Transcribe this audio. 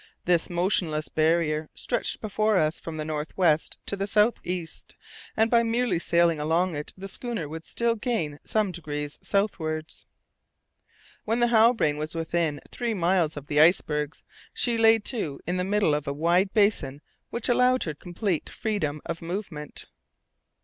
This motionless barrier stretched before us from the north west to the south east, and by merely sailing along it the schooner would still gain some degrees southwards. When the Halbrane was within three miles of the icebergs, she lay to in the middle of a wide basin which allowed her complete freedom of movement.